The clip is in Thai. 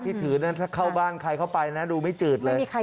ที่ถือเข้าบ้านใครเค้าไปรู้ไม่จืดเลย